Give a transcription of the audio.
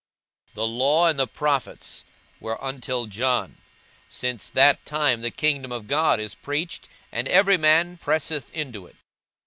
42:016:016 The law and the prophets were until John: since that time the kingdom of God is preached, and every man presseth into it.